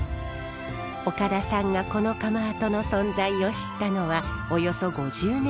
岡田さんがこの窯跡の存在を知ったのはおよそ５０年前。